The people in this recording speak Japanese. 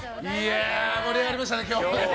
盛り上がりましたね、今日も。